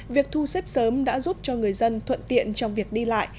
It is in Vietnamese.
việc thu xếp sớm đã giúp cho người dân thuận tiện trong việc đi lại